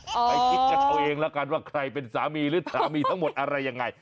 ไปคิดกันเอาเองแล้วกันว่าใครเป็นสามีหรือสามีทั้งหมดอะไรยังไง